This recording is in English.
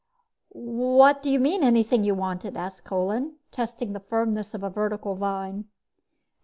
"What do you mean, anything you wanted?" asked Kolin, testing the firmness of a vertical vine.